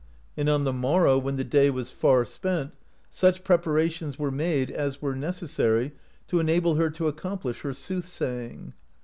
And on the morrow, when the day was far ^ent, such preparations were made as were necessary to enable her to accomplish her soothsaying.